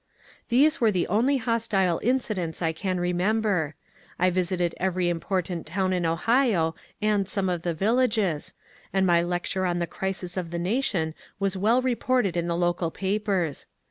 These were the only hostile incidents I can remember. I visited every important town in Ohio and some of the viUages, and my lecture on the crisis of the nation was well reported in the local papers.